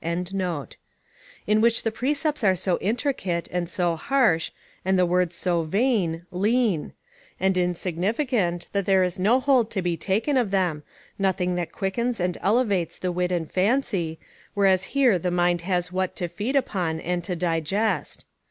] in which the precepts are so intricate, and so harsh, and the words so vain, lean; and insignificant, that there is no hold to be taken of them, nothing that quickens and elevates the wit and fancy, whereas here the mind has what to feed upon and to digest.